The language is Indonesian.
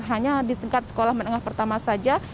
hanya di tingkat sekolah menengah pertama saja